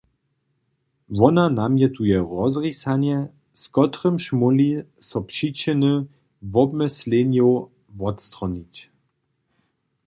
Wona namjetuje rozrisanje, z kotrymž móhli so přičiny wobmyslenjow wotstronić.